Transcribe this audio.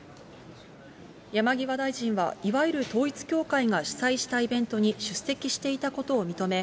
山際大臣は、いわゆる統一教会が主催したイベントに出席していたことを認め、